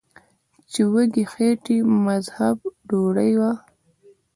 چې د وږې خېټې مذهب ډوډۍ ده ـ